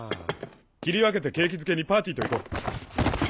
切り分けて景気づけにパーティーと行こう。